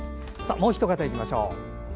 もう一方いきましょう。